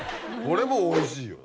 これもおいしいよ